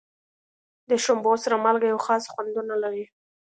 د شړومبو سره مالګه یوه خاصه خوندونه لري.